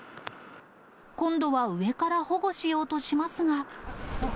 今度は上から保護しようとしますが。